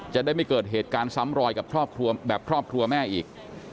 จะได้ไม่เกิดเหตุการณ์ซ้ำรอยกับครอบครัวแม่อีก